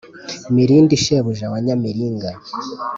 Mirindi shebuja wa Nyamiringa,